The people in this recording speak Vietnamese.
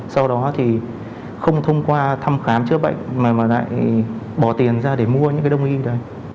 sau đó thì không thông qua thăm khám chữa bệnh mà lại bỏ tiền ra để mua những cái đồng y đấy